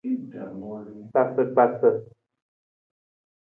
Kpasakpasa.